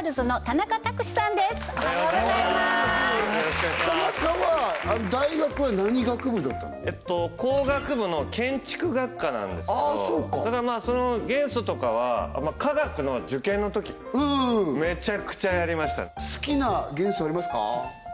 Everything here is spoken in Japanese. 田中は大学は何学部だったの？工学部の建築学科なんですけどただまあその元素とかは化学の受験のときめちゃくちゃやりました好きな元素ありますか？